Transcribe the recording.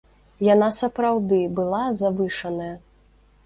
Яна сапраўды была завышаная.